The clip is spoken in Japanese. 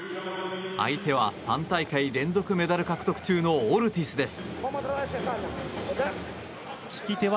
相手は３大会連続メダル獲得中のオルティスです。